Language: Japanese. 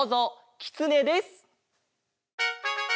キツネです。